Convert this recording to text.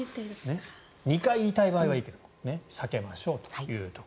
２回言いたい場合はいいけど避けましょうと。